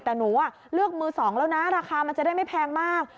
แต่หนูเลือกมือสองแล้วนะราคามันจะได้ไม่แพงมาก